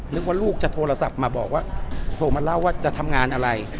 นึกว่าลูกจะโทรศัพท์มาบอกว่าโทรมาเล่าว่าจะทำงานอะไร